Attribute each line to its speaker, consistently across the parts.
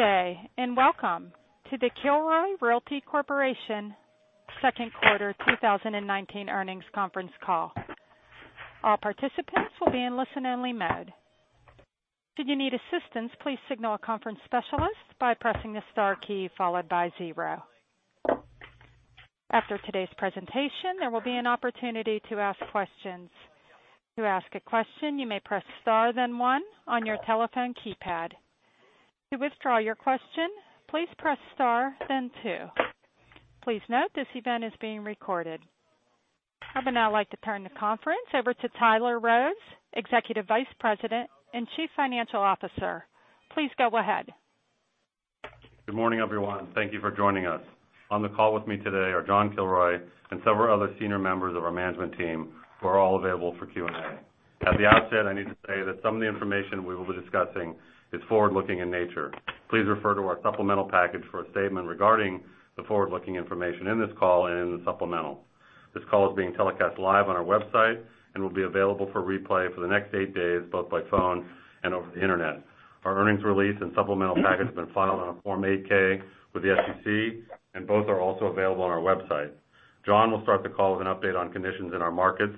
Speaker 1: Good day. Welcome to the Kilroy Realty Corporation second quarter 2019 earnings conference call. All participants will be in listen-only mode. Should you need assistance, please signal a conference specialist by pressing the star key followed by zero. After today's presentation, there will be an opportunity to ask questions. To ask a question, you may press star then one on your telephone keypad. To withdraw your question, please press star then two. Please note this event is being recorded. I would now like to turn the conference over to Tyler Rose, Executive Vice President and Chief Financial Officer. Please go ahead.
Speaker 2: Good morning, everyone. Thank you for joining us. On the call with me today are John Kilroy and several other senior members of our management team, who are all available for Q&A. At the outset, I need to say that some of the information we will be discussing is forward-looking in nature. Please refer to our supplemental package for a statement regarding the forward-looking information in this call and in the supplemental. This call is being telecast live on our website and will be available for replay for the next eight days, both by phone and over the internet. Our earnings release and supplemental package have been filed on a Form 8-K with the SEC, and both are also available on our website. John will start the call with an update on conditions in our markets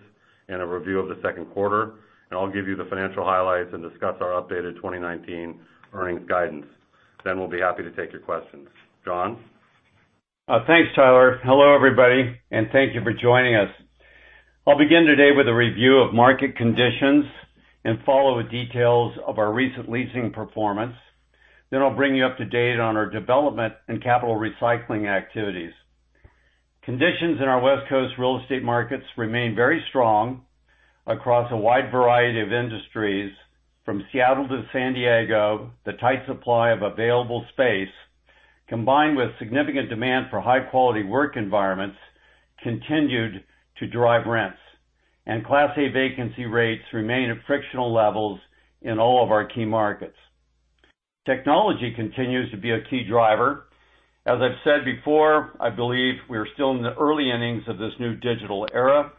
Speaker 2: and a review of the second quarter, and I'll give you the financial highlights and discuss our updated 2019 earnings guidance. We'll be happy to take your questions. John?
Speaker 3: Thanks, Tyler. Hello, everybody, and thank you for joining us. I'll begin today with a review of market conditions and follow with details of our recent leasing performance. I'll bring you up to date on our development and capital recycling activities. Conditions in our West Coast real estate markets remain very strong across a wide variety of industries. From Seattle to San Diego, the tight supply of available space, combined with significant demand for high-quality work environments, continued to drive rents, and Class A vacancy rates remain at frictional levels in all of our key markets. Technology continues to be a key driver. As I've said before, I believe we are still in the early innings of this new digital era.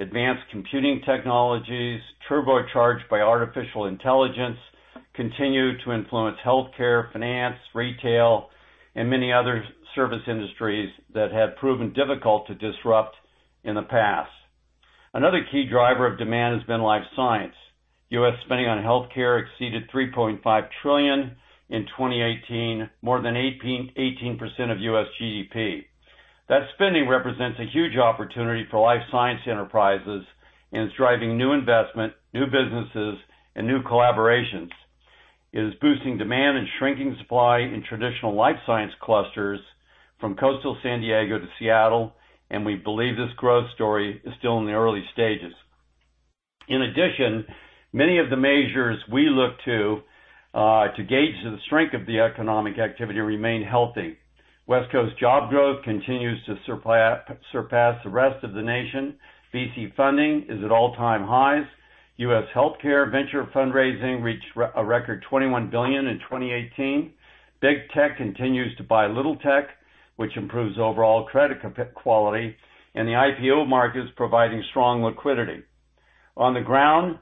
Speaker 3: Advanced computing technologies, turbo-charged by artificial intelligence, continue to influence healthcare, finance, retail, and many other service industries that have proven difficult to disrupt in the past. Another key driver of demand has been life science. U.S. spending on healthcare exceeded $3.5 trillion in 2018, more than 18% of U.S. GDP. That spending represents a huge opportunity for life science enterprises and is driving new investment, new businesses, and new collaborations. It is boosting demand and shrinking supply in traditional life science clusters from coastal San Diego to Seattle. We believe this growth story is still in the early stages. In addition, many of the measures we look to gauge the strength of the economic activity remain healthy. West Coast job growth continues to surpass the rest of the nation. VC funding is at all-time highs. U.S. healthcare venture fundraising reached a record $21 billion in 2018. Big Tech continues to buy little tech, which improves overall credit quality. The IPO market is providing strong liquidity. On the ground,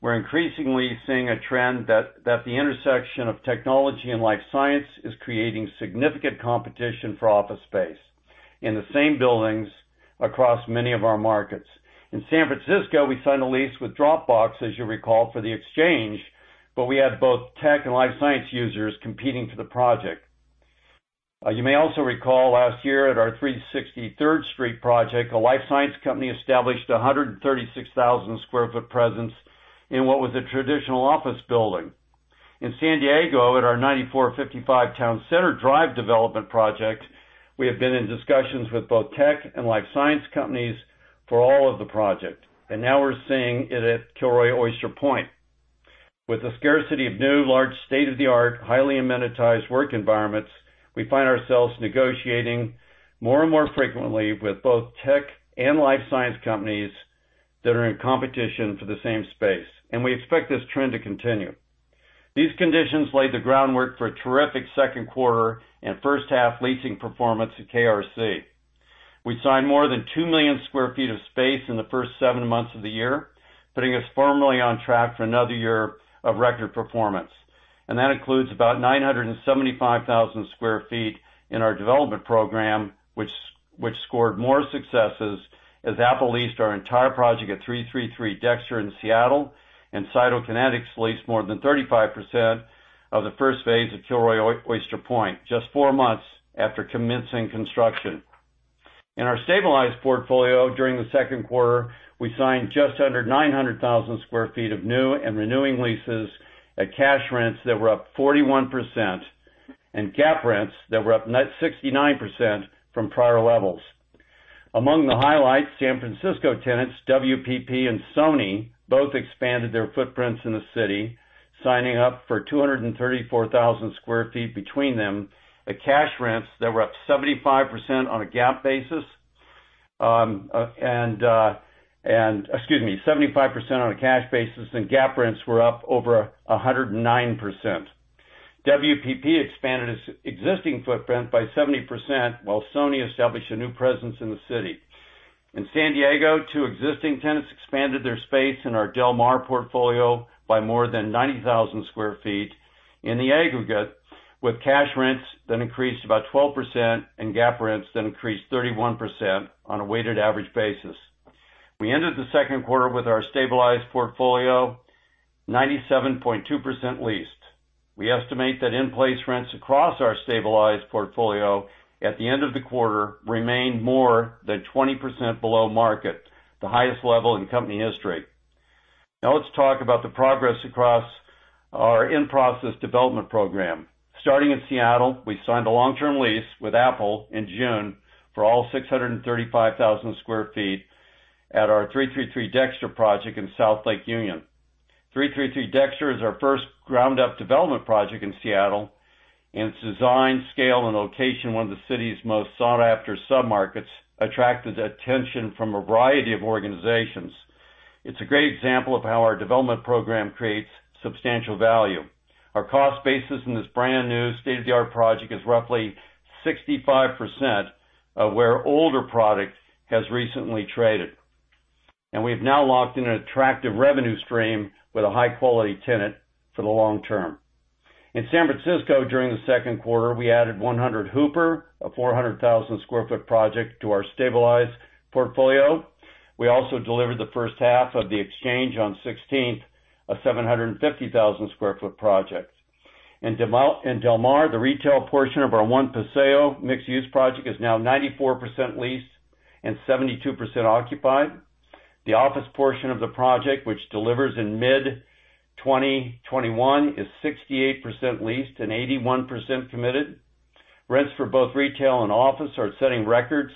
Speaker 3: we're increasingly seeing a trend that the intersection of technology and life science is creating significant competition for office space in the same buildings across many of our markets. In San Francisco, we signed a lease with Dropbox, as you'll recall, for The Exchange. We had both tech and life science users competing for the project. You may also recall last year at our 360 Third Street project, a life science company established 136,000 sq ft presence in what was a traditional office building. In San Diego at our 9455 Town Center Drive development project, we have been in discussions with both tech and life science companies for all of the project. Now we're seeing it at Kilroy Oyster Point. With the scarcity of new, large, state-of-the-art, highly amenitized work environments, we find ourselves negotiating more and more frequently with both tech and life science companies that are in competition for the same space. We expect this trend to continue. These conditions laid the groundwork for a terrific second quarter and first-half leasing performance at KRC. We signed more than 2 million square feet of space in the first 7 months of the year, putting us firmly on track for another year of record performance. That includes about 975,000 square feet in our development program, which scored more successes as Apple leased our entire project at 333 Dexter in Seattle, and Cytokinetics leased more than 35% of the first phase of Kilroy Oyster Point, just 4 months after commencing construction. In our stabilized portfolio during the second quarter, we signed just under 900,000 sq ft of new and renewing leases at cash rents that were up 41%, and GAAP rents that were up net 69% from prior levels. Among the highlights, San Francisco tenants WPP and Sony both expanded their footprints in the city, signing up for 234,000 sq ft between them at cash rents that were up 75% on a GAAP basis, excuse me, 75% on a cash basis, and GAAP rents were up over 109%. WPP expanded its existing footprint by 70%, while Sony established a new presence in the city. In San Diego, two existing tenants expanded their space in our Del Mar portfolio by more than 90,000 sq ft in the aggregate, with cash rents that increased about 12%, and GAAP rents that increased 31% on a weighted average basis. We ended the second quarter with our stabilized portfolio 97.2% leased. We estimate that in-place rents across our stabilized portfolio at the end of the quarter remained more than 20% below market, the highest level in company history. Now let's talk about the progress across our in-process development program. Starting in Seattle, we signed a long-term lease with Apple in June for all 635,000 square feet at our 333 Dexter project in South Lake Union. 333 Dexter is our first ground-up development project in Seattle, and its design, scale, and location, one of the city's most sought-after submarkets, attracted attention from a variety of organizations. It's a great example of how our development program creates substantial value. Our cost basis in this brand-new, state-of-the-art project is roughly 65% of where older product has recently traded. We've now locked in an attractive revenue stream with a high-quality tenant for the long term. In San Francisco, during the second quarter, we added 100 Hooper, a 400,000 sq ft project, to our stabilized portfolio. We also delivered the first half of The Exchange on 16th, a 750,000 sq ft project. In Del Mar, the retail portion of our One Paseo mixed-use project is now 94% leased and 72% occupied. The office portion of the project, which delivers in mid-2021, is 68% leased and 81% committed. Rents for both retail and office are setting records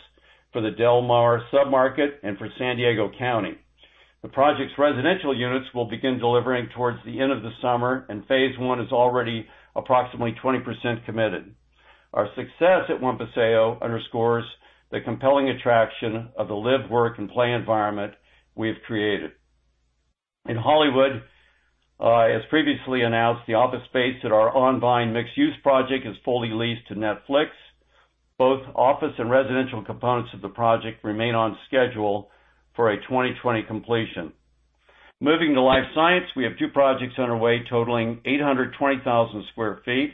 Speaker 3: for the Del Mar submarket and for San Diego County. The project's residential units will begin delivering towards the end of the summer, and phase 1 is already approximately 20% committed. Our success at One Paseo underscores the compelling attraction of the live, work, and play environment we have created. In Hollywood, as previously announced, the office space at our On Vine mixed-use project is fully leased to Netflix. Both office and residential components of the project remain on schedule for a 2020 completion. Moving to life science, we have 2 projects underway totaling 820,000 sq ft.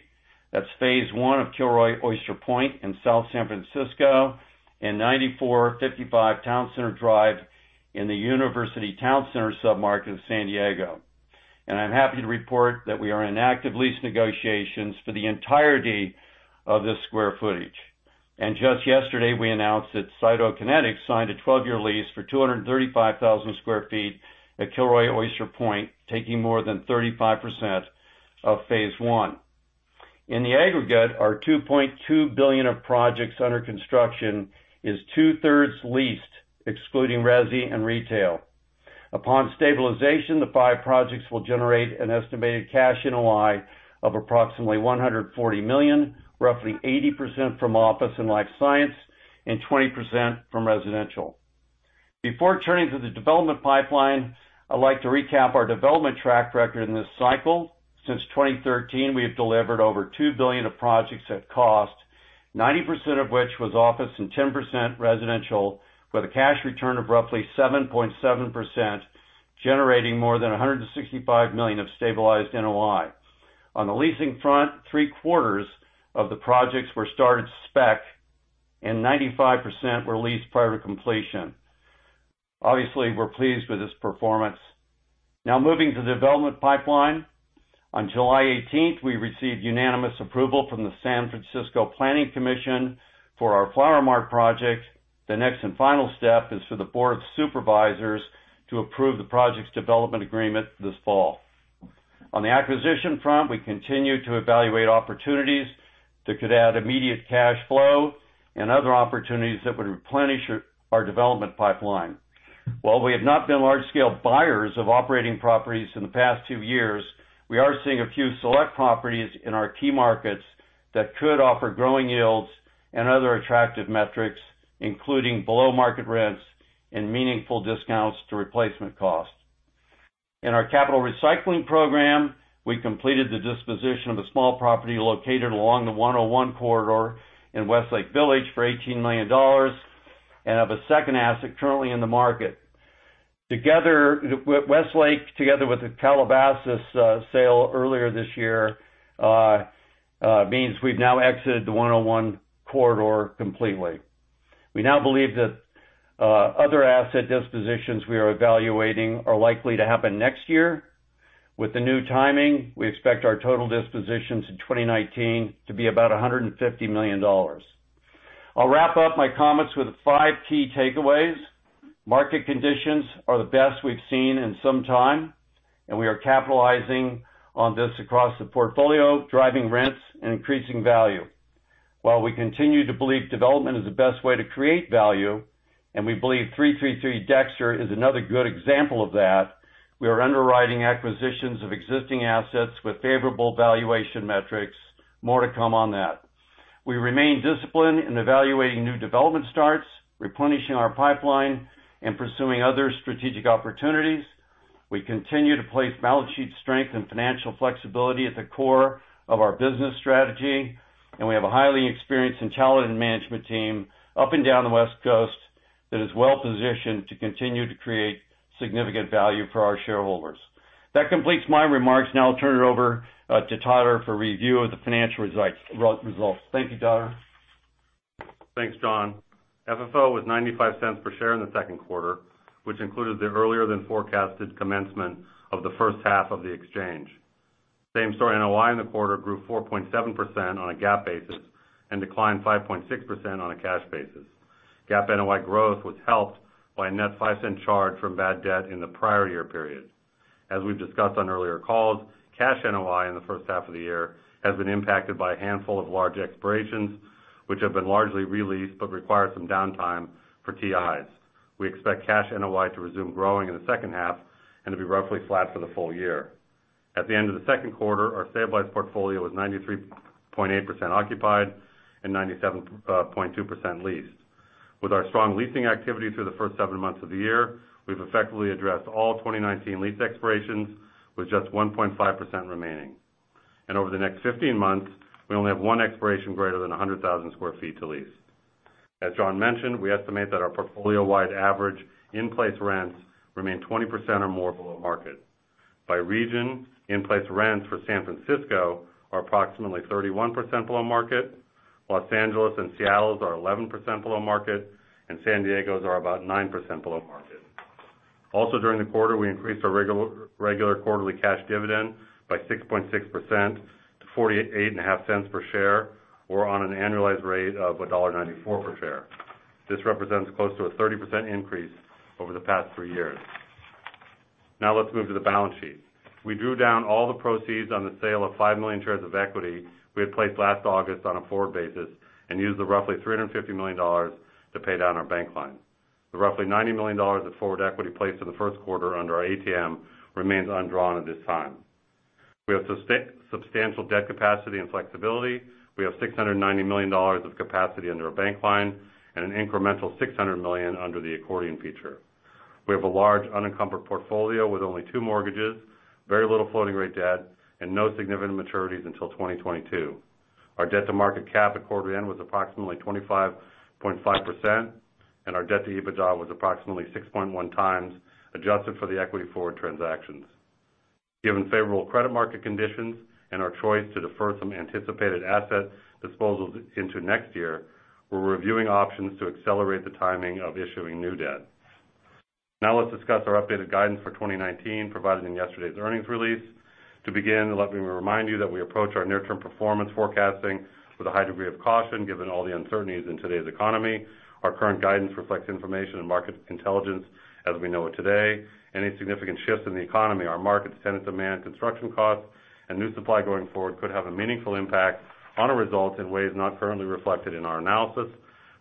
Speaker 3: That's phase 1 of Kilroy Oyster Point in South San Francisco, 9455 Town Center Drive in the University Town Center submarket of San Diego. I'm happy to report that we are in active lease negotiations for the entirety of this sq ft. Just yesterday, we announced that Cytokinetics signed a 12-year lease for 235,000 sq ft at Kilroy Oyster Point, taking more than 35% of phase 1. In the aggregate, our $2.2 billion of projects under construction is two-thirds leased, excluding resi and retail. Upon stabilization, the five projects will generate an estimated cash NOI of approximately $140 million, roughly 80% from office and life science and 20% from residential. Before turning to the development pipeline, I'd like to recap our development track record in this cycle. Since 2013, we have delivered over $2 billion of projects at cost, 90% of which was office and 10% residential, with a cash return of roughly 7.7%, generating more than $165 million of stabilized NOI. On the leasing front, three-quarters of the projects were started spec and 95% were leased prior to completion. Obviously, we're pleased with this performance. Now moving to the development pipeline. On July 18th, we received unanimous approval from the San Francisco Planning Commission for our Flower Mart project. The next and final step is for the Board of Supervisors to approve the project's development agreement this fall. On the acquisition front, we continue to evaluate opportunities that could add immediate cash flow and other opportunities that would replenish our development pipeline. While we have not been large-scale buyers of operating properties in the past two years, we are seeing a few select properties in our key markets that could offer growing yields and other attractive metrics, including below-market rents and meaningful discounts to replacement costs. In our capital recycling program, we completed the disposition of a small property located along the 101 corridor in Westlake Village for $18 million and have a second asset currently in the market. Westlake, together with the Calabasas sale earlier this year, means we've now exited the 101 corridor completely. We now believe that other asset dispositions we are evaluating are likely to happen next year. With the new timing, we expect our total dispositions in 2019 to be about $150 million. I'll wrap up my comments with five key takeaways. Market conditions are the best we've seen in some time, and we are capitalizing on this across the portfolio, driving rents, and increasing value. While we continue to believe development is the best way to create value, and we believe 333 Dexter is another good example of that, we are underwriting acquisitions of existing assets with favorable valuation metrics. More to come on that. We remain disciplined in evaluating new development starts, replenishing our pipeline, and pursuing other strategic opportunities. We continue to place balance sheet strength and financial flexibility at the core of our business strategy, and we have a highly experienced and talented management team up and down the West Coast that is well-positioned to continue to create significant value for our shareholders. That completes my remarks. Now I'll turn it over to Tyler for review of the financial results. Thank you, Tyler.
Speaker 2: Thanks, John. FFO was $0.95 per share in the second quarter, which included the earlier than forecasted commencement of the first half of The Exchange. Same story, NOI in the quarter grew 4.7% on a GAAP basis and declined 5.6% on a cash basis. GAAP NOI growth was helped by a net $0.05 charge from bad debt in the prior year period. As we've discussed on earlier calls, cash NOI in the first half of the year has been impacted by a handful of large expirations, which have been largely re-leased but require some downtime for TI's. We expect cash NOI to resume growing in the second half and to be roughly flat for the full year. At the end of the second quarter, our stabilized portfolio was 93.8% occupied and 97.2% leased. With our strong leasing activity through the first seven months of the year, we've effectively addressed all 2019 lease expirations with just 1.5% remaining. Over the next 15 months, we only have one expiration greater than 100,000 sq ft to lease. As John mentioned, we estimate that our portfolio-wide average in-place rents remain 20% or more below market. By region, in-place rents for San Francisco are approximately 31% below market, Los Angeles and Seattle's are 11% below market, and San Diego's are about 9% below market. Also, during the quarter, we increased our regular quarterly cash dividend by 6.6% to $0.485 per share or on an annualized rate of $1.94 per share. This represents close to a 30% increase over the past three years. Let's move to the balance sheet. We drew down all the proceeds on the sale of 5 million shares of equity we had placed last August on a forward basis and used the roughly $350 million to pay down our bank line. The roughly $90 million of forward equity placed in the first quarter under our ATM remains undrawn at this time. We have substantial debt capacity and flexibility. We have $690 million of capacity under our bank line and an incremental $600 million under the accordion feature. We have a large unencumbered portfolio with only two mortgages, very little floating rate debt, and no significant maturities until 2022. Our debt-to-market cap at quarter end was approximately 25.5%, and our debt to EBITDA was approximately 6.1 times, adjusted for the equity forward transactions. Given favorable credit market conditions and our choice to defer some anticipated asset disposals into next year, we're reviewing options to accelerate the timing of issuing new debt. Now let's discuss our updated guidance for 2019 provided in yesterday's earnings release. To begin, let me remind you that we approach our near-term performance forecasting with a high degree of caution given all the uncertainties in today's economy. Our current guidance reflects information and market intelligence as we know it today. Any significant shifts in the economy, our markets, tenant demand, construction costs, and new supply going forward could have a meaningful impact on our results in ways not currently reflected in our analysis.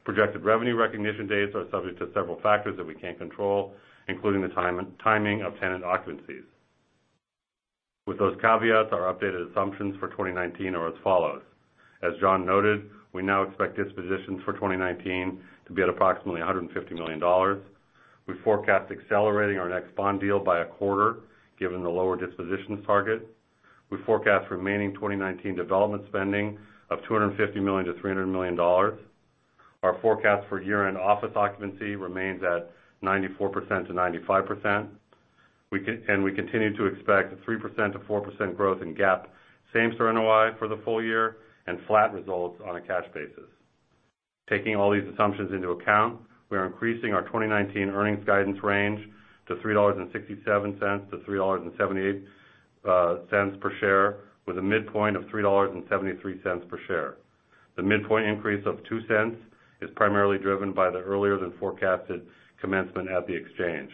Speaker 2: Projected revenue recognition dates are subject to several factors that we can't control, including the timing of tenant occupancies. With those caveats, our updated assumptions for 2019 are as follows. As John noted, we now expect dispositions for 2019 to be at approximately $150 million. We forecast accelerating our next bond deal by a quarter, given the lower dispositions target. We forecast remaining 2019 development spending of $250 million-$300 million. Our forecast for year-end office occupancy remains at 94%-95%. We continue to expect 3%-4% growth in GAAP same-store NOI for the full year and flat results on a cash basis. Taking all these assumptions into account, we are increasing our 2019 earnings guidance range to $3.67-$3.78 per share with a midpoint of $3.73 per share. The midpoint increase of $0.02 is primarily driven by the earlier than forecasted commencement at The Exchange.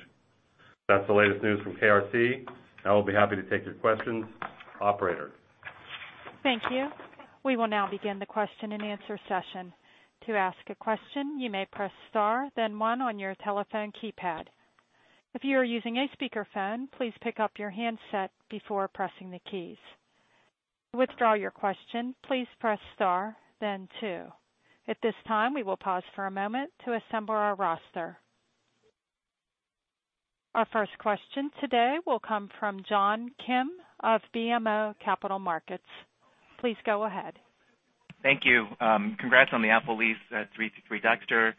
Speaker 2: That's the latest news from KRC. I'll be happy to take your questions. Operator.
Speaker 1: Thank you. We will now begin the question-and-answer session. To ask a question, you may press star, then one on your telephone keypad. If you are using a speakerphone, please pick up your handset before pressing the keys. To withdraw your question, please press star, then two. At this time, we will pause for a moment to assemble our roster. Our first question today will come from John Kim of BMO Capital Markets. Please go ahead.
Speaker 4: Thank you. Congrats on the Apple lease at 333 Dexter.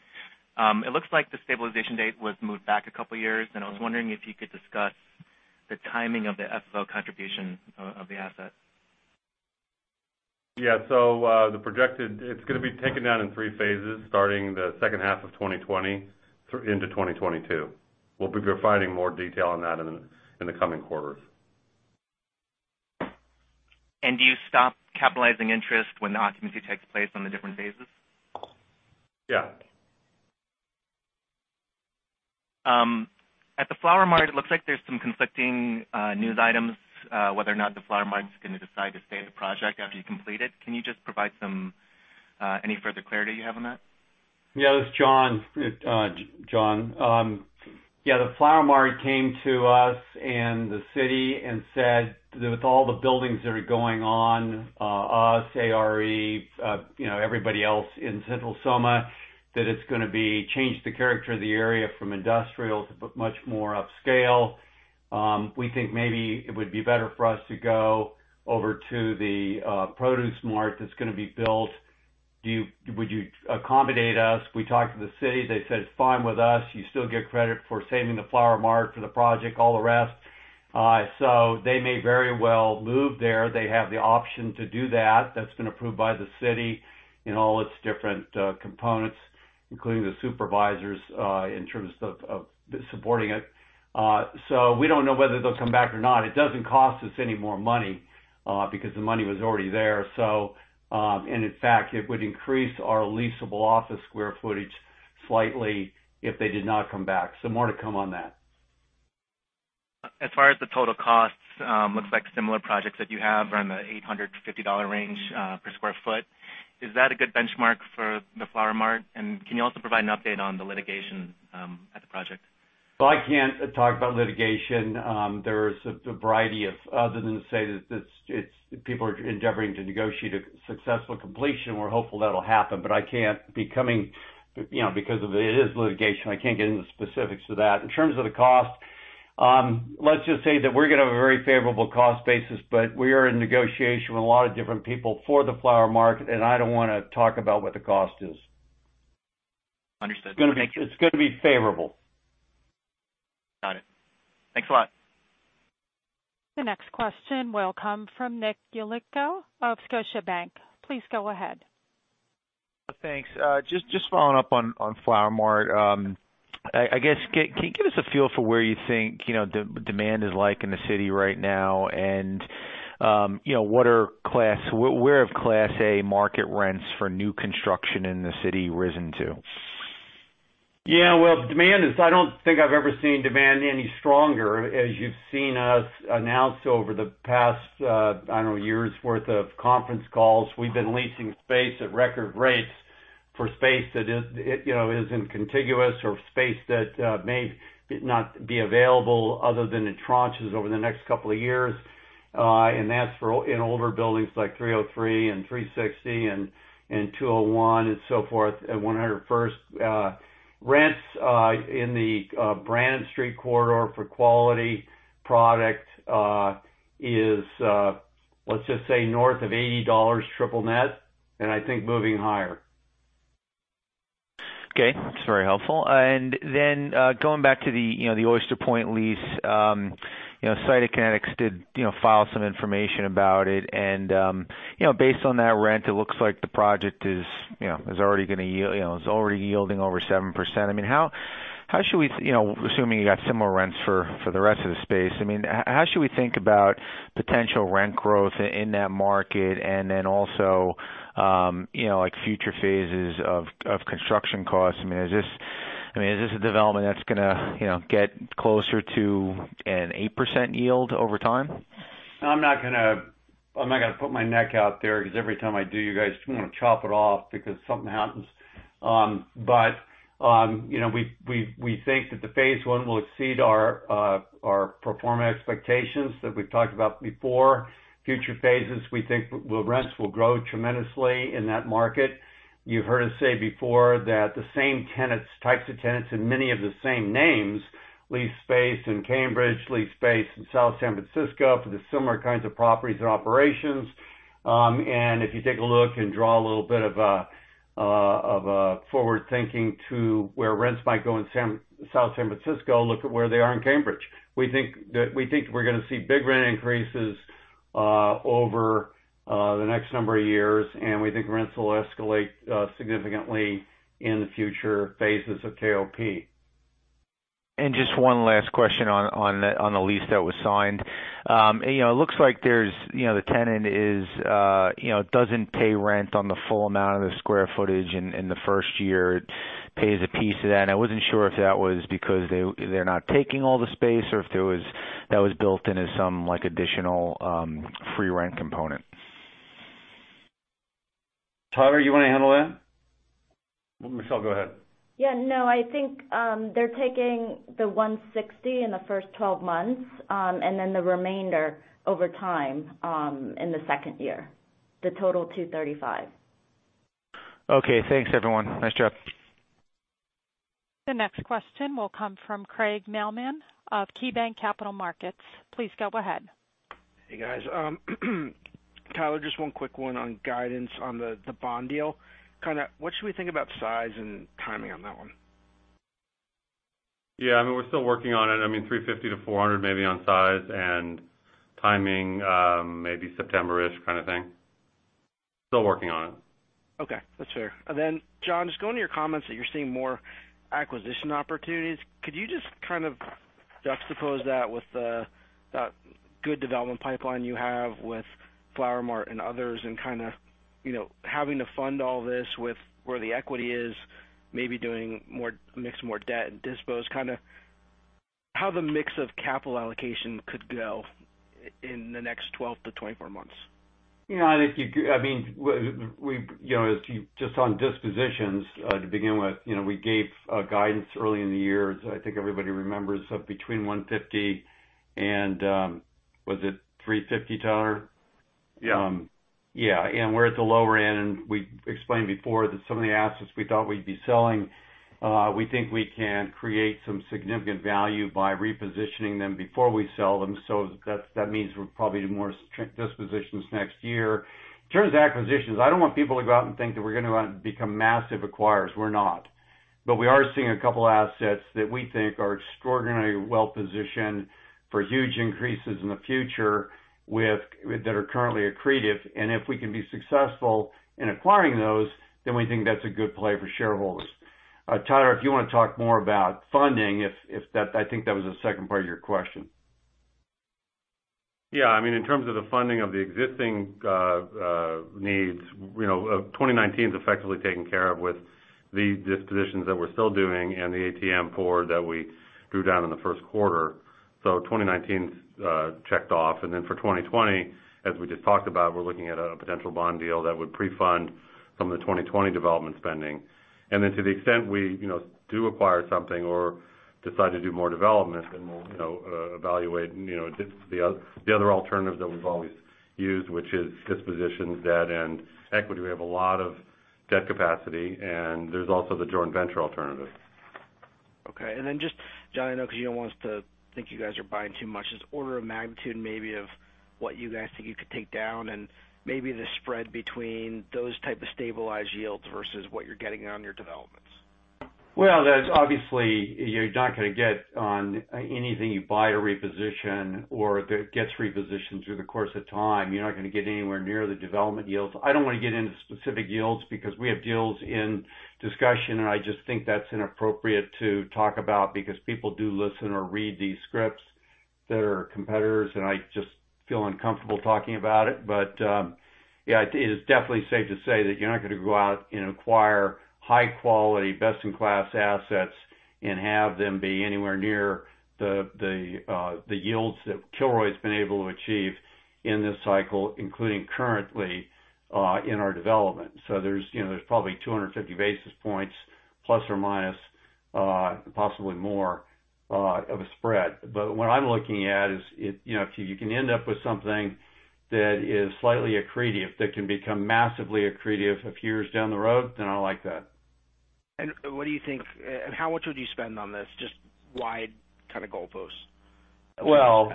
Speaker 4: It looks like the stabilization date was moved back a couple of years, and I was wondering if you could discuss the timing of the FFO contribution of the asset.
Speaker 2: Yeah. The projected, it's going to be taken down in three phases starting the second half of 2020 into 2022. We'll be providing more detail on that in the coming quarters.
Speaker 4: Do you stop capitalizing interest when the occupancy takes place on the different phases?
Speaker 2: Yeah.
Speaker 3: At the Flower Mart, it looks like there's some conflicting news items whether or not the Flower Mart is going to decide to stay at the project after you complete it. Can you just provide any further clarity you have on that? Yeah. This is John. Yeah. The Flower Mart came to us and the city and said that with all the buildings that are going on, us, ARE, everybody else in Central SoMa, that it's going to be change the character of the area from industrial to much more upscale. We think maybe it would be better for us to go over to the Produce Mart that's going to be built. Would you accommodate us? We talked to the city, they said, "Fine with us." You still get credit for saving the Flower Mart for the project, all the rest. They may very well move there. They have the option to do that. That's been approved by the city in all its different components, including the Supervisors, in terms of supporting it. We don't know whether they'll come back or not. It doesn't cost us any more money, because the money was already there. In fact, it would increase our leasable office square footage slightly if they did not come back. More to come on that.
Speaker 4: As far as the total costs, looks like similar projects that you have around the $850 range per square foot. Is that a good benchmark for the Flower Mart? Can you also provide an update on the litigation at the project?
Speaker 3: I can't talk about litigation. There's a variety of other than to say that people are endeavoring to negotiate a successful completion. We're hopeful that'll happen. I can't, because it is litigation, I can't get into specifics of that. In terms of the cost, let's just say that we're going to have a very favorable cost basis, but we are in negotiation with a lot of different people for the Flower Mart, and I don't want to talk about what the cost is.
Speaker 4: Understood. Thank you.
Speaker 3: It's going to be favorable.
Speaker 4: Got it. Thanks a lot.
Speaker 1: The next question will come from Nick Yulico of Scotiabank. Please go ahead.
Speaker 5: Thanks. Just following up on Flower Mart. I guess, can you give us a feel for where you think demand is like in the city right now, and where have Class A market rents for new construction in the city risen to?
Speaker 3: Yeah. Well, I don't think I've ever seen demand any stronger. As you've seen us announce over the past year's worth of conference calls, we've been leasing space at record rates for space that isn't contiguous or space that may not be available other than in tranches over the next couple of years. That's in older buildings like 303 and 360 and 201 and so forth, at 101st. Rents in the Brannan Street corridor for quality product is, let's just say north of $80 triple net, and I think moving higher.
Speaker 5: Okay. That's very helpful. Going back to the Oyster Point lease. Cytokinetics did file some information about it, and based on that rent, it looks like the project is already yielding over 7%. Assuming you got similar rents for the rest of the space, how should we think about potential rent growth in that market and then also, like future phases of construction costs? Is this a development that's going to get closer to an 8% yield over time?
Speaker 3: I'm not going to put my neck out there because every time I do, you guys want to chop it off because something happens. We think that the phase 1 will exceed our pro forma expectations that we've talked about before. Future phases we think rents will grow tremendously in that market. You've heard us say before that the same types of tenants and many of the same names lease space in Cambridge, lease space in South San Francisco for the similar kinds of properties and operations. If you take a look and draw a little bit of a forward-thinking to where rents might go in South San Francisco, look at where they are in Cambridge. We think we're going to see big rent increases over the next number of years, and we think rents will escalate significantly in the future phases of KOP.
Speaker 5: Just one last question on the lease that was signed. It looks like the tenant doesn't pay rent on the full amount of the square footage in the first year, pays a piece of that, and I wasn't sure if that was because they're not taking all the space or if that was built into some additional free rent component.
Speaker 3: Tyler, you want to handle that? Michelle, go ahead.
Speaker 6: Yeah. No, I think they're taking the $160 in the first 12 months, and then the remainder over time, in the second year. The total $235.
Speaker 5: Okay, thanks everyone. Nice job.
Speaker 1: The next question will come from Craig Mailman of KeyBanc Capital Markets. Please go ahead.
Speaker 7: Hey, guys. Tyler, just one quick one on guidance on the bond deal. What should we think about size and timing on that one?
Speaker 2: Yeah. We're still working on it. 350-400 maybe on size, and timing maybe September-ish kind of thing. Still working on it.
Speaker 7: Okay. That's fair. John, just going to your comments that you're seeing more acquisition opportunities. Could you just kind of juxtapose that with the good development pipeline you have with Flower Mart and others and kind of having to fund all this with where the equity is, maybe doing more mix, more debt and dispos, kind of how the mix of capital allocation could go in the next 12-24 months?
Speaker 3: Just on dispositions to begin with, we gave guidance early in the year. I think everybody remembers of between $150 and, was it $350, Tyler? Yeah. We're at the lower end, and we explained before that some of the assets we thought we'd be selling, we think we can create some significant value by repositioning them before we sell them. That means we'll probably do more dispositions next year. In terms of acquisitions, I don't want people to go out and think that we're going to become massive acquirers. We're not. We are seeing a couple assets that we think are extraordinarily well-positioned for huge increases in the future, that are currently accretive, and if we can be successful in acquiring those, then we think that's a good play for shareholders. Tyler, if you want to talk more about funding, I think that was the second part of your question.
Speaker 2: Yeah. In terms of the funding of the existing needs, 2019 is effectively taken care of with the dispositions that we're still doing and the ATM four that we drew down in the first quarter. 2019's checked off. For 2020, as we just talked about, we're looking at a potential bond deal that would pre-fund some of the 2020 development spending. To the extent we do acquire something or decide to do more development, then we'll evaluate the other alternatives that we've always used, which is dispositions, debt, and equity. We have a lot of debt capacity, and there's also the joint venture alternative.
Speaker 7: Okay. Then just, John, I know because you don't want us to think you guys are buying too much. Just order of magnitude, maybe, of what you guys think you could take down, and maybe the spread between those type of stabilized yields versus what you're getting on your developments?
Speaker 3: Obviously, you're not going to get on anything you buy to reposition or that gets repositioned through the course of time. You're not going to get anywhere near the development yields. I don't want to get into specific yields because we have deals in discussion, and I just think that's inappropriate to talk about because people do listen or read these scripts that are competitors, and I just feel uncomfortable talking about it. Yeah, it is definitely safe to say that you're not going to go out and acquire high quality, best in class assets and have them be anywhere near the yields that Kilroy's been able to achieve in this cycle, including currently in our development. There's probably 250 basis points, ±, possibly more of a spread. What I'm looking at is if you can end up with something that is slightly accretive, that can become massively accretive a few years down the road, I like that.
Speaker 7: What do you think, how much would you spend on this? Just wide kind of goalposts.
Speaker 3: Well,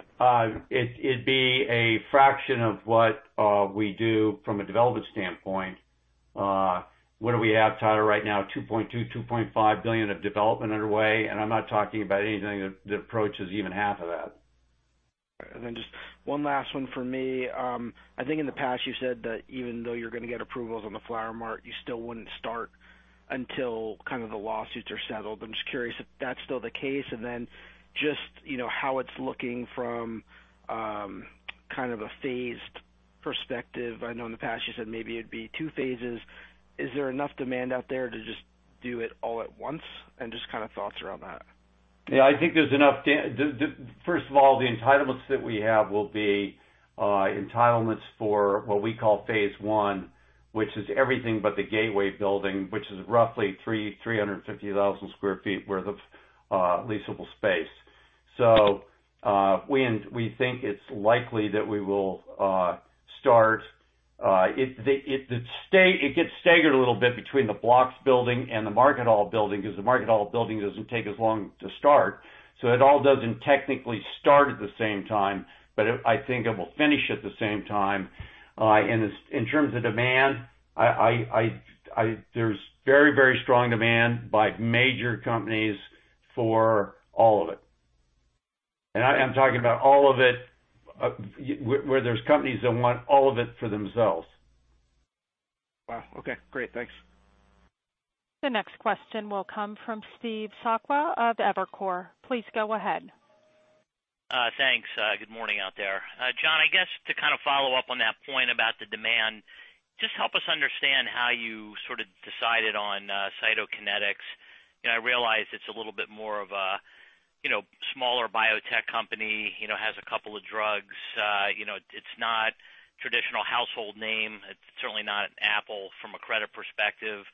Speaker 3: it'd be a fraction of what we do from a development standpoint. What do we have, Tyler, right now? $2.2 billion, $2.5 billion of development underway, and I'm not talking about anything that approaches even half of that.
Speaker 7: Just one last one from me. I think in the past you said that even though you're going to get approvals on the Flower Mart, you still wouldn't start until kind of the lawsuits are settled. I'm just curious if that's still the case, just how it's looking from kind of a phased perspective. I know in the past you said maybe it'd be two phases. Is there enough demand out there to just do it all at once? Just kind of thoughts around that.
Speaker 3: Yeah, I think there's enough. First of all, the entitlements that we have will be entitlements for what we call phase one, which is everything but the Gateway building, which is roughly 350,000 sq ft worth of leasable space. We think it's likely that we will start-- It gets staggered a little bit between the Blocks building and the Market Hall building, because the Market Hall building doesn't take as long to start. It all doesn't technically start at the same time, but I think it will finish at the same time. In terms of demand, there's very strong demand by major companies for all of it. I'm talking about all of it, where there's companies that want all of it for themselves.
Speaker 7: Wow. Okay, great. Thanks.
Speaker 1: The next question will come from Steve Sakwa of Evercore. Please go ahead.
Speaker 8: Thanks. Good morning out there. John, I guess to kind of follow up on that point about the demand, just help us understand how you sort of decided on Cytokinetics. I realize it's a little bit more of a smaller biotech company, has a couple of drugs. It's not traditional household name. It's certainly not Apple from a credit perspective.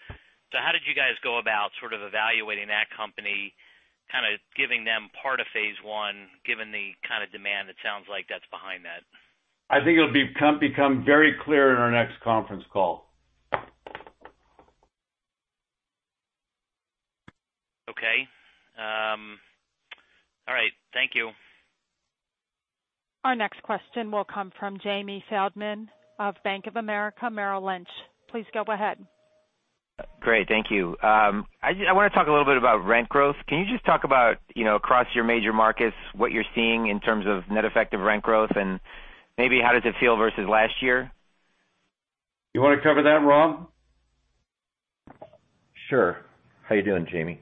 Speaker 8: How did you guys go about sort of evaluating that company, kind of giving them part of phase I, given the kind of demand it sounds like that's behind that?
Speaker 3: I think it'll become very clear in our next conference call.
Speaker 8: Okay. All right. Thank you.
Speaker 1: Our next question will come from Jamie Feldman of Bank of America Merrill Lynch. Please go ahead.
Speaker 9: Great. Thank you. I want to talk a little bit about rent growth. Can you just talk about across your major markets, what you're seeing in terms of net effective rent growth, and maybe how does it feel versus last year?
Speaker 3: You want to cover that, Rob?
Speaker 10: Sure. How you doing, Jamie?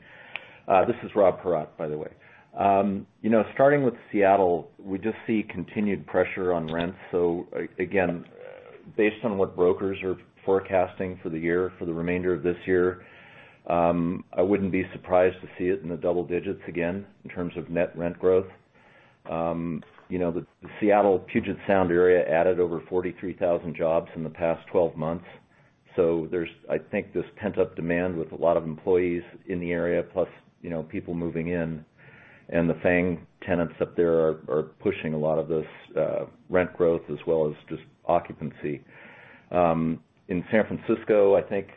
Speaker 10: This is Rob Paratte, by the way. Starting with Seattle, we just see continued pressure on rents. Again, based on what brokers are forecasting for the year, for the remainder of this year, I wouldn't be surprised to see it in the double digits again, in terms of net rent growth. The Seattle Puget Sound area added over 43,000 jobs in the past 12 months. There's, I think, this pent-up demand with a lot of employees in the area, plus people moving in. The FANG tenants up there are pushing a lot of this rent growth as well as just occupancy. In San Francisco, I think,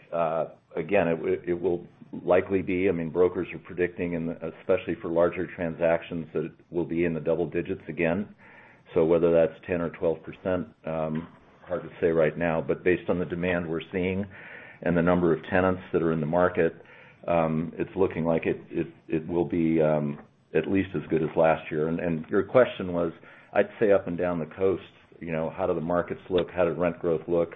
Speaker 10: again, it will likely be, brokers are predicting, especially for larger transactions, that it will be in the double digits again. Whether that's 10% or 12%, hard to say right now, but based on the demand we're seeing and the number of tenants that are in the market, it's looking like it will be at least as good as last year. Your question was, I'd say up and down the coast, how do the markets look? How did rent growth look?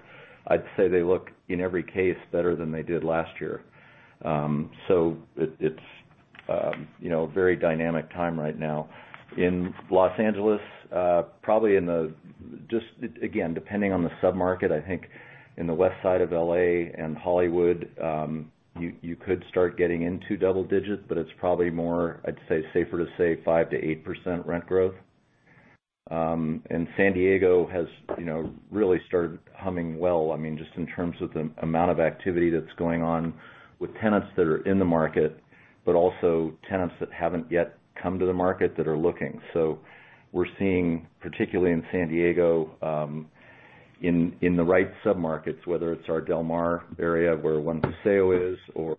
Speaker 10: I'd say they look, in every case, better than they did last year. It's a very dynamic time right now. In Los Angeles, probably just again, depending on the submarket, I think in the west side of L.A. and Hollywood, you could start getting into double digits, but it's probably more, I'd say, safer to say 5%-8% rent growth. San Diego has really started humming well, just in terms of the amount of activity that's going on with tenants that are in the market, but also tenants that haven't yet come to the market that are looking. We're seeing, particularly in San Diego, in the right submarkets, whether it's our Del Mar area where One Paseo is or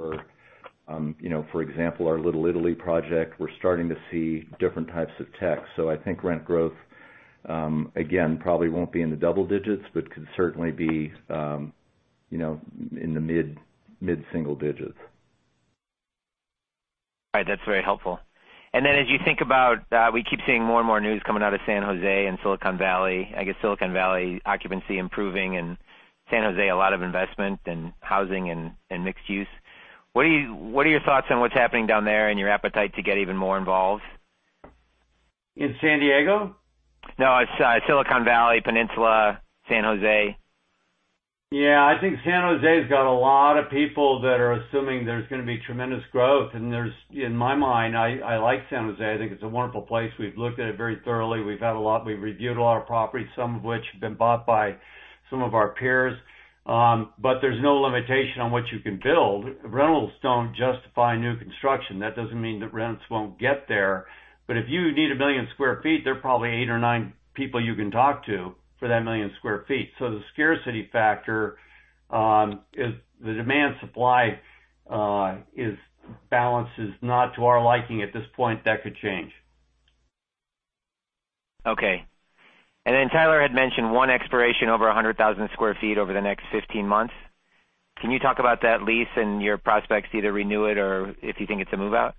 Speaker 10: for example, our Little Italy project, we're starting to see different types of tech. I think rent growth, again, probably won't be in the double digits, but could certainly be in the mid-single digits.
Speaker 9: All right. That's very helpful. As you think about, we keep seeing more and more news coming out of San Jose and Silicon Valley. I get Silicon Valley occupancy improving and San Jose, a lot of investment in housing and mixed-use. What are your thoughts on what's happening down there and your appetite to get even more involved?
Speaker 3: In San Diego?
Speaker 9: No, Silicon Valley, Peninsula, San Jose.
Speaker 3: I think San Jose's got a lot of people that are assuming there's going to be tremendous growth. In my mind, I like San Jose. I think it's a wonderful place. We've looked at it very thoroughly. We've reviewed a lot of properties, some of which have been bought by some of our peers. There's no limitation on what you can build. Rentals don't justify new construction. That doesn't mean that rents won't get there. If you need 1 million sq ft, there are probably eight or nine people you can talk to for that 1 million sq ft. The scarcity factor, the demand-supply balance is not to our liking at this point. That could change.
Speaker 9: Okay. Tyler had mentioned one expiration over 100,000 sq ft over the next 15 months. Can you talk about that lease and your prospects to either renew it, or if you think it's a move-out?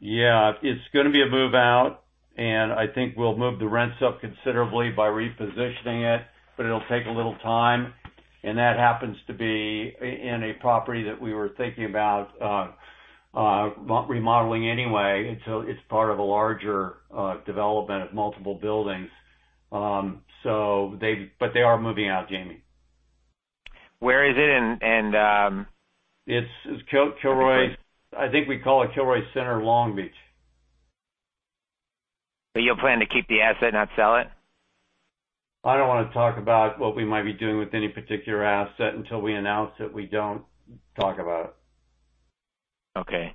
Speaker 3: Yeah. It's gonna be a move-out, and I think we'll move the rents up considerably by repositioning it, but it'll take a little time. That happens to be in a property that we were thinking about remodeling anyway, and so it's part of a larger development of multiple buildings. They are moving out, Jamie.
Speaker 9: Where is it?
Speaker 3: It's Kilroy's I think we call it Kilroy Center, Long Beach.
Speaker 9: You'll plan to keep the asset, not sell it?
Speaker 3: I don't want to talk about what we might be doing with any particular asset. Until we announce it, we don't talk about it.
Speaker 9: Okay.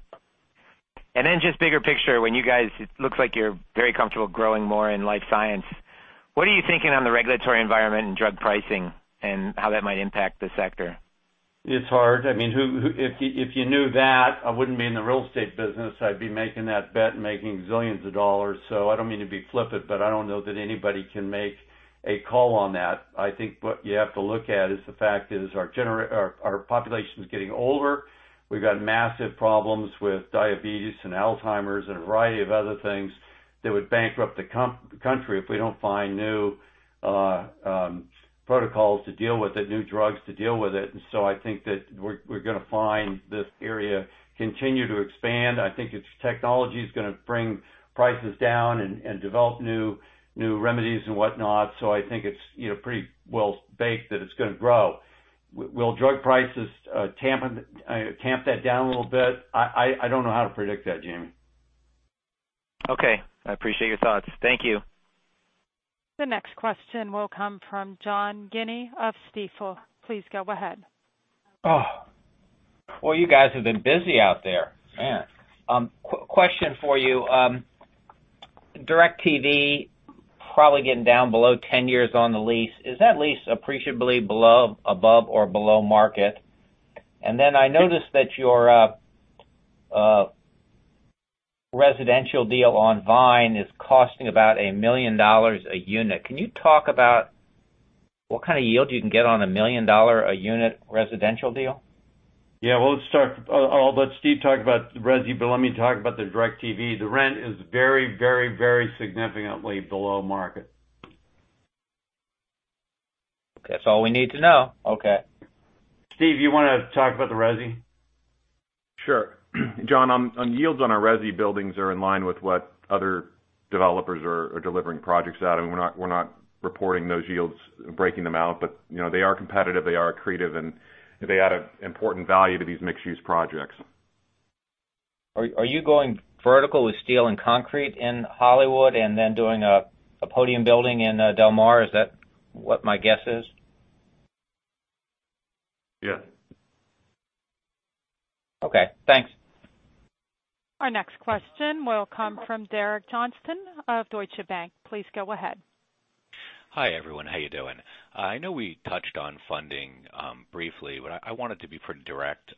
Speaker 9: Just bigger picture, it looks like you're very comfortable growing more in life science. What are you thinking on the regulatory environment and drug pricing and how that might impact the sector?
Speaker 3: It's hard. If you knew that, I wouldn't be in the real estate business. I'd be making that bet and making zillions of dollars. I don't mean to be flippant, but I don't know that anybody can make a call on that. I think what you have to look at is the fact is our population is getting older. We've got massive problems with diabetes and Alzheimer's and a variety of other things that would bankrupt the country if we don't find new protocols to deal with it, new drugs to deal with it. I think that we're gonna find this area continue to expand. I think its technology is gonna bring prices down and develop new remedies and whatnot. I think it's pretty well baked that it's gonna grow. Will drug prices tamp that down a little bit? I don't know how to predict that, Jamie.
Speaker 9: Okay. I appreciate your thoughts. Thank you.
Speaker 1: The next question will come from John Guinee of Stifel. Please go ahead.
Speaker 11: Oh, well, you guys have been busy out there. Man. Question for you. DirecTV probably getting down below 10 years on the lease. Is that lease appreciably above or below market? I noticed that your residential deal on Vine is costing about $1 million a unit. Can you talk about what kind of yield you can get on a $1 million-a-unit residential deal?
Speaker 3: Yeah. I'll let Steve talk about resi, but let me talk about the DirecTV. The rent is very, very, very significantly below market.
Speaker 11: That's all we need to know. Okay.
Speaker 3: Steve, you wanna talk about the resi?
Speaker 12: Sure. John, on yields on our resi buildings are in line with what other developers are delivering projects at, and we're not reporting those yields, breaking them out. They are competitive, they are accretive, and they add an important value to these mixed-use projects.
Speaker 11: Are you going vertical with steel and concrete in Hollywood and then doing a podium building in Del Mar? Is that what my guess is?
Speaker 12: Yes.
Speaker 11: Okay, thanks.
Speaker 1: Our next question will come from Derek Johnston of Deutsche Bank. Please go ahead.
Speaker 13: Hi, everyone. How you doing? I know we touched on funding briefly. I want it to be pretty direct.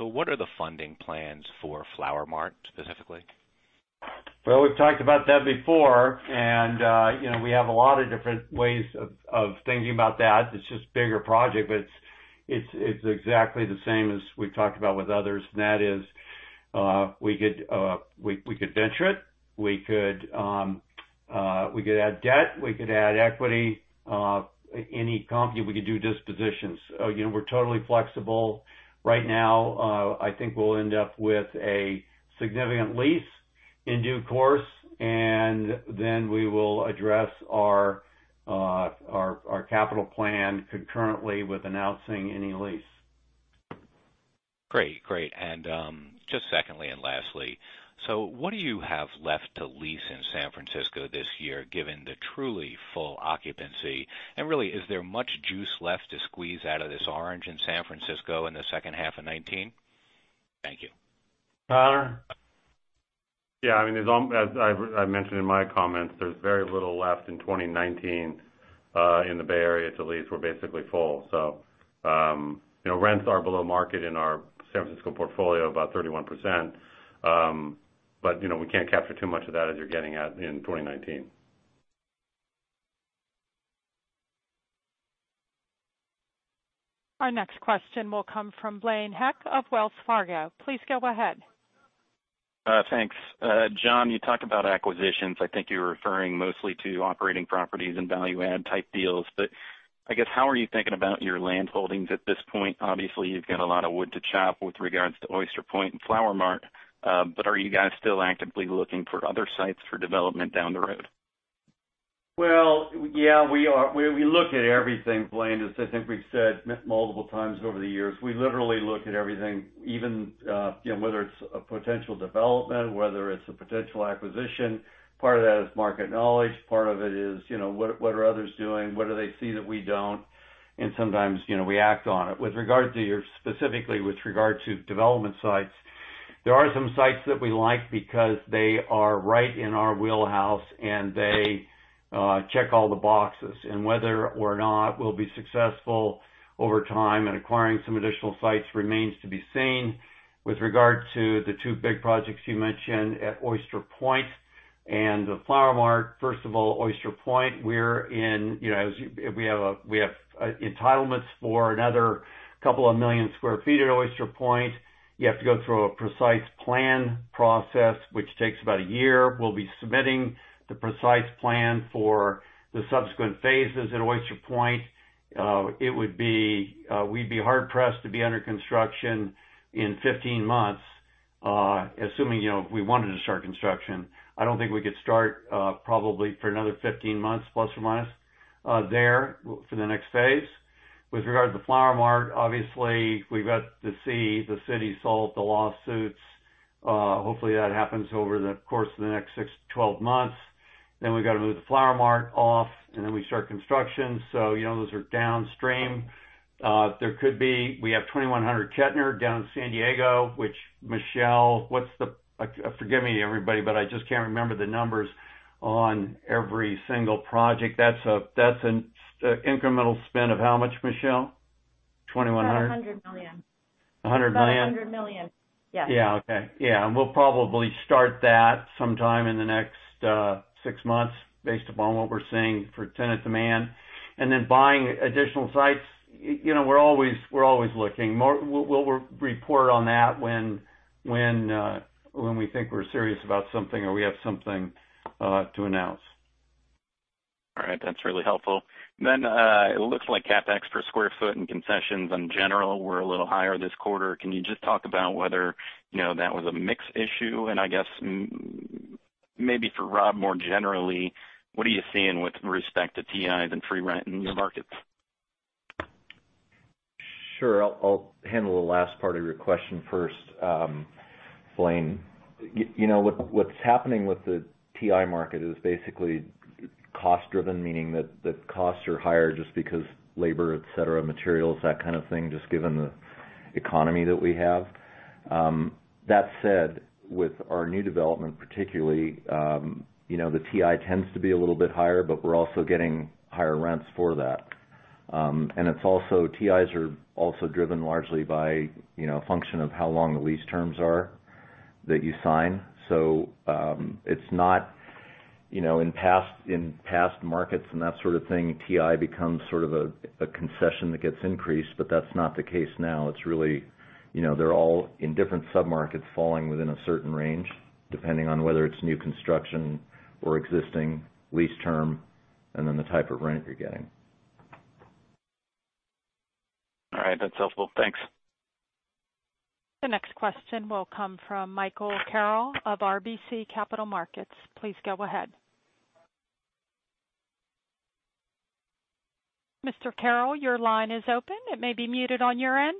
Speaker 13: What are the funding plans for Flower Mart, specifically?
Speaker 3: Well, we've talked about that before, and we have a lot of different ways of thinking about that. It's just a bigger project, but it's exactly the same as we've talked about with others. That is, we could venture it, we could add debt, we could add equity, any comp, we could do dispositions. We're totally flexible. Right now, I think we'll end up with a significant lease in due course, and then we will address our capital plan concurrently with announcing any lease.
Speaker 13: Great. Just secondly, and lastly, what do you have left to lease in San Francisco this year, given the truly full occupancy? Really, is there much juice left to squeeze out of this orange in San Francisco in the second half of 2019? Thank you.
Speaker 3: Tyler?
Speaker 2: Yeah. As I mentioned in my comments, there's very little left in 2019 in the Bay Area to lease. We're basically full. Rents are below market in our San Francisco portfolio, about 31%. We can't capture too much of that as you're getting at, in 2019.
Speaker 1: Our next question will come from Blaine Heck of Wells Fargo. Please go ahead.
Speaker 14: Thanks. John, you talked about acquisitions. I think you were referring mostly to operating properties and value add type deals. I guess, how are you thinking about your land holdings at this point? Obviously, you've got a lot of wood to chop with regards to Oyster Point and Flower Mart. Are you guys still actively looking for other sites for development down the road?
Speaker 3: Well, yeah, we are. We look at everything, Blaine. As I think we've said multiple times over the years, we literally look at everything, even whether it's a potential development, whether it's a potential acquisition. Part of that is market knowledge. Part of it is what are others doing? What do they see that we don't? Sometimes we act on it. Specifically, with regard to development sites, there are some sites that we like because they are right in our wheelhouse, and they check all the boxes. Whether or not we'll be successful over time in acquiring some additional sites remains to be seen. With regard to the two big projects you mentioned at Oyster Point and the Flower Mart, first of all, Oyster Point, we have entitlements for another couple of million square feet at Oyster Point. You have to go through a precise plan process, which takes about a year. We'll be submitting the precise plan for the subsequent phases at Oyster Point. We'd be hard-pressed to be under construction in 15 months, assuming we wanted to start construction. I don't think we could start probably for another 15 months, plus or minus there, for the next phase. With regard to the Flower Mart, obviously, we've got to see the city solve the lawsuits. Hopefully, that happens over the course of the next 6-12 months. We've got to move the Flower Mart off, and then we start construction. Those are downstream. We have 2100 Kettner down in San Diego, which Michelle, forgive me, everybody, but I just can't remember the numbers on every single project. That's an incremental spend of how much, Michelle? About $100 million. $100 million? About $100 million. Yes. Yeah. Okay. Yeah. We'll probably start that sometime in the next six months based upon what we're seeing for tenant demand. Then buying additional sites, we're always looking. We'll report on that when we think we're serious about something or we have something to announce.
Speaker 14: All right. That's really helpful. It looks like CapEx per square foot and concessions in general were a little higher this quarter. Can you just talk about whether that was a mix issue? I guess, maybe for Rob, more generally, what are you seeing with respect to TIs and free rent in your markets?
Speaker 10: Sure. I'll handle the last part of your question first, Blaine. What's happening with the TI market is basically cost-driven, meaning that the costs are higher just because labor, et cetera, materials, that kind of thing, just given the economy that we have. That said, with our new development particularly, the TI tends to be a little bit higher, but we're also getting higher rents for that. TIs are also driven largely by a function of how long the lease terms are that you sign. In past markets and that sort of thing, TI becomes sort of a concession that gets increased, but that's not the case now. They're all in different sub-markets falling within a certain range, depending on whether it's new construction or existing lease term, and then the type of rent you're getting.
Speaker 14: All right. That's helpful. Thanks.
Speaker 1: The next question will come from Michael Carroll of RBC Capital Markets. Please go ahead. Mr. Carroll, your line is open. It may be muted on your end.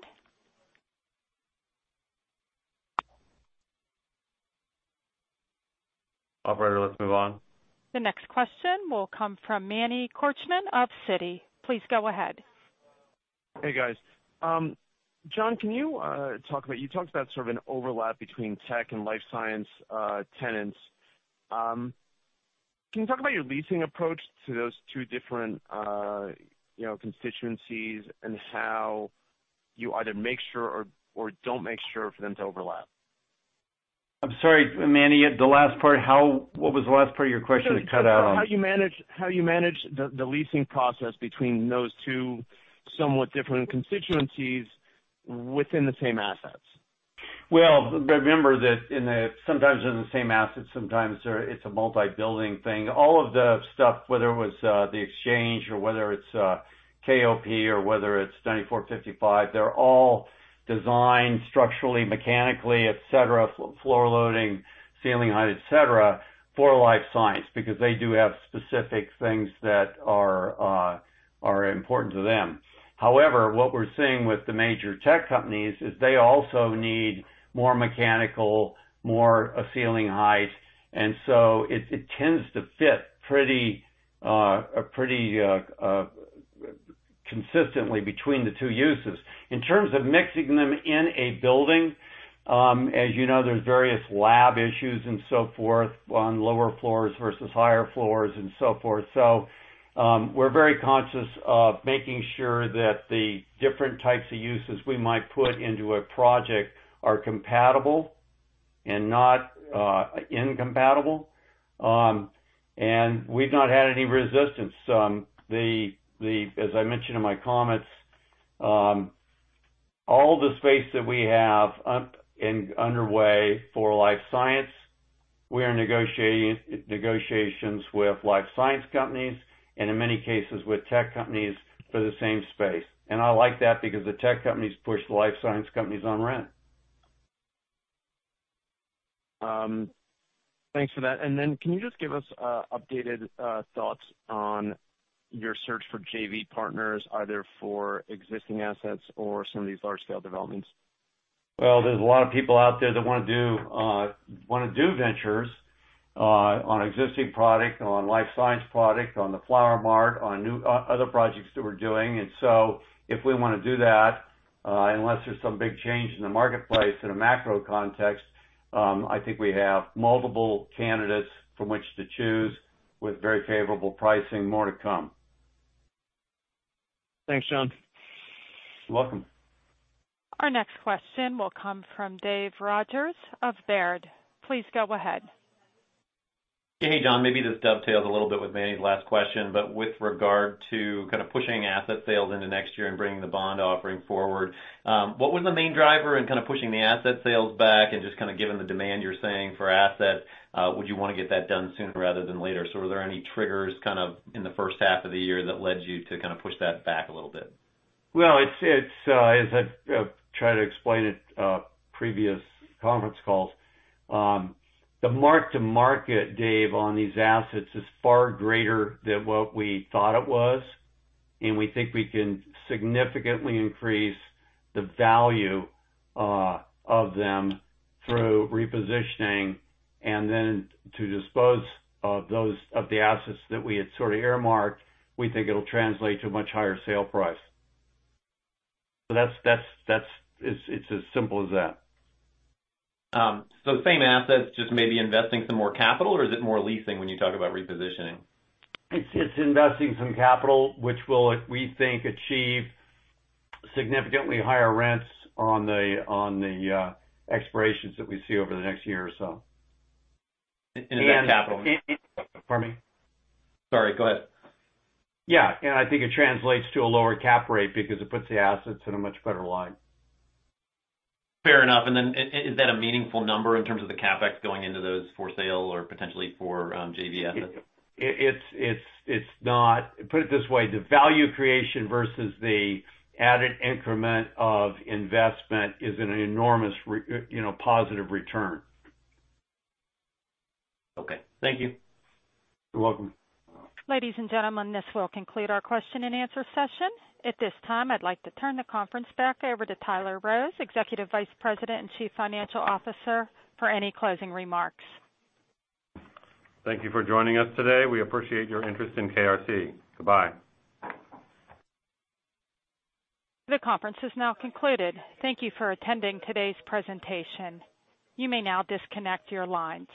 Speaker 3: Operator, let's move on.
Speaker 1: The next question will come from Manny Korchman of Citi. Please go ahead.
Speaker 15: Hey, guys. John, you talked about sort of an overlap between tech and life science tenants. Can you talk about your leasing approach to those two different constituencies and how you either make sure or don't make sure for them to overlap?
Speaker 3: I'm sorry, Manny, the last part. What was the last part of your question? It cut out.
Speaker 15: How you manage the leasing process between those two somewhat different constituencies within the same assets.
Speaker 3: Well, remember that sometimes they're in the same asset, sometimes it's a multi-building thing. All of the stuff, whether it was The Exchange or whether it's KOP or whether it's 9455, they're all designed structurally, mechanically, et cetera, floor loading, ceiling height, et cetera, for life science, because they do have specific things that are important to them. What we're seeing with the major tech companies is they also need more mechanical, more ceiling height, it tends to fit pretty consistently between the two uses. In terms of mixing them in a building, as you know, there's various lab issues and so forth on lower floors versus higher floors and so forth. We're very conscious of making sure that the different types of uses we might put into a project are compatible and not incompatible. We've not had any resistance. As I mentioned in my comments, all the space that we have underway for life science, we are in negotiations with life science companies and in many cases with tech companies for the same space. I like that because the tech companies push life science companies on rent.
Speaker 15: Thanks for that. Can you just give us updated thoughts on your search for JV partners, either for existing assets or some of these large-scale developments?
Speaker 3: Well, there's a lot of people out there that want to do ventures on existing product, on life science product, on the Flower Mart, on other projects that we're doing. If we want to do that, unless there's some big change in the marketplace in a macro context, I think we have multiple candidates from which to choose with very favorable pricing. More to come.
Speaker 15: Thanks, John.
Speaker 3: You're welcome.
Speaker 1: Our next question will come from Dave Rodgers of Baird. Please go ahead.
Speaker 16: Hey, John. Maybe this dovetails a little bit with Manny's last question, with regard to kind of pushing asset sales into next year and bringing the bond offering forward, what was the main driver in kind of pushing the asset sales back and just kind of given the demand you're seeing for assets, would you want to get that done sooner rather than later? Were there any triggers kind of in the first half of the year that led you to kind of push that back a little bit?
Speaker 3: Well, as I've tried to explain at previous conference calls, the mark to market, Dave, on these assets is far greater than what we thought it was, and we think we can significantly increase the value of them through repositioning and then to dispose of the assets that we had sort of earmarked, we think it'll translate to a much higher sale price. It's as simple as that.
Speaker 16: Same assets, just maybe investing some more capital, or is it more leasing when you talk about repositioning?
Speaker 3: It's investing some capital, which will, we think, achieve significantly higher rents on the expirations that we see over the next year or so.
Speaker 16: In capital?
Speaker 3: Pardon me?
Speaker 16: Sorry, go ahead.
Speaker 3: Yeah. I think it translates to a lower cap rate because it puts the assets in a much better light.
Speaker 16: Fair enough. Is that a meaningful number in terms of the CapEx going into those for sale or potentially for JV assets?
Speaker 3: Put it this way, the value creation versus the added increment of investment is an enormous positive return.
Speaker 16: Okay. Thank you.
Speaker 3: You're welcome.
Speaker 1: Ladies and gentlemen, this will conclude our question and answer session. At this time, I'd like to turn the conference back over to Tyler Rose, Executive Vice President and Chief Financial Officer, for any closing remarks.
Speaker 2: Thank you for joining us today. We appreciate your interest in KRC. Goodbye.
Speaker 1: The conference is now concluded. Thank you for attending today's presentation. You may now disconnect your lines.